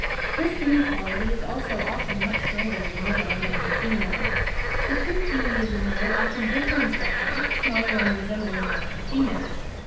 This inequality is also often much greater in the male than in the female. The two chelae of the male often differ in structure (Figs. 5, 6, and 7), the smaller one resembling that of the female.